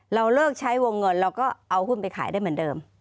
เราเลิกใช้วงเงินเราก็เอาหุ้นไปขายได้เหมือนเดิม